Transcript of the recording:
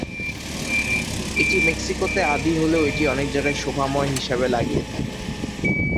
এটি মেক্সিকোতে আদি হলেও এটি অনেক জায়গায় শোভাময় হিসাবে লাগিয়ে থাকে।